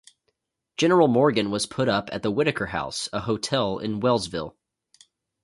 General Morgan was put up at the Whitaker House, a hotel in Wellsville.